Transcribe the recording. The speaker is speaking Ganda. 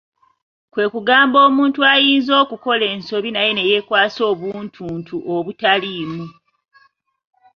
Kwe kugamba omuntu ayinza okukola ensobi naye neyeekwasa obuntuntu obutaliimu !